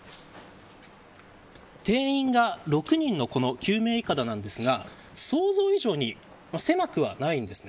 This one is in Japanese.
定員が６人の救命いかだですが想像以上に狭くはないんです。